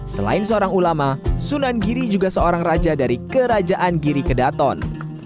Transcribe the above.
selain seorang ulama sunan giri juga seorang raja dari kerajaan giri kedaton